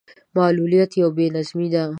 معلوليت يو بې نظمي ده.